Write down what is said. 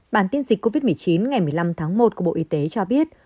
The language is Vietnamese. bản tin dịch covid một mươi chín ngày một mươi năm tháng một của bộ y tế cho biết